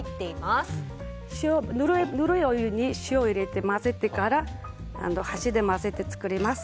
ぬるいお湯に塩を入れて混ぜてから箸で混ぜて作ります。